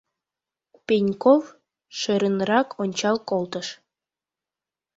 Пеньков шӧрынрак ончал колтыш.